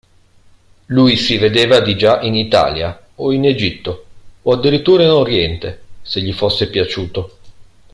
Lui si vedeva di già in Italia o in Egitto o addirittura in Oriente, se gli fosse piaciuto.